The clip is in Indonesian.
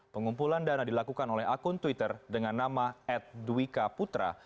pengumpulan dana dilakukan oleh akun twitter dengan nama edwika putra